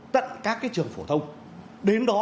tận các cái trường phổ thông đến đó